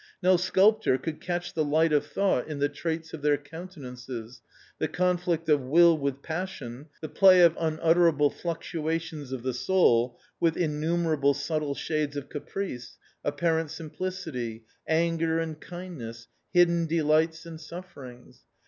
No sculptor could catch the light of thought in the traits of their countenances, the conflict of will with passion, the play of unutterable fluctuations of the soul with innumer able subtle shades of caprice, apparent simplicity, anger and kindness, hidden delights and sufferings